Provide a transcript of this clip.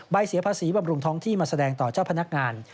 เสียภาษีบำรุงท้องที่มาแสดงต่อเจ้าพนักงาน